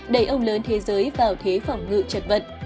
đẩy ông lớn thế giới vào thế phỏng ngự trật vật